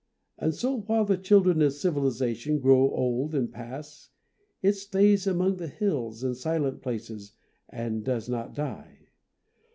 And so while the children of civilization grow old and pass, it stays among the hills and silent places and does not die.